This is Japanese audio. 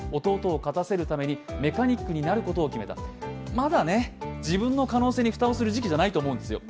まだ自分の可能性に蓋をする時期じゃないと思うんですよ。